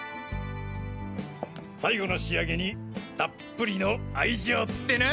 最後の仕上げにたっぷりの愛情ってな！！